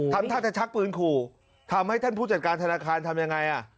ทำท่าจะชักปืนขู่ทำให้ท่านผู้จัดการธนาคารทำยังไงอ่ะ